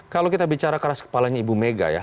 kalau kita bicara keras kepalanya ibu mega ya